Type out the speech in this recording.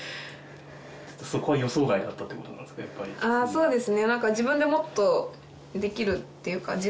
そうですね。